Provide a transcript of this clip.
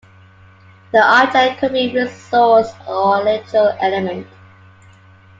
The object could be a resource or literal element.